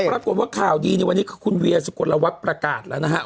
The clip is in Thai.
แล้วปรากฏว่าข่าวดีวันนี้คุณเวียร์สกฎรวจประกาศแล้วนะฮะ